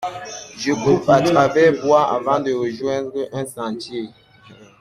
Je coupe à travers bois avant de rejoindre un sentier.